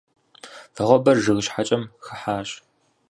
Вагъуэбэр жыг щхьэкӏэм хыхьащ.